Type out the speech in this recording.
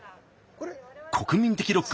国民的ロック